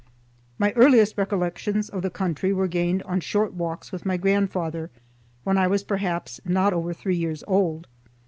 My earliest recollections of the country were gained on short walks with my grandfather when I was perhaps not over three years old.